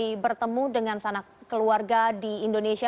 dan bisa kembali bertemu dengan sanak keluarga di indonesia